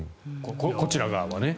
こちら側はね。